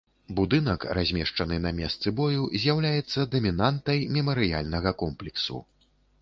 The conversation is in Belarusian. Будынак, размешаны на месцы бою, з'яўляецца дамінантай мемарыяльнага комплексу.